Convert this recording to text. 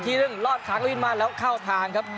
ซึ่งลอดขาก็วินมาแล้วเข้าทางครับ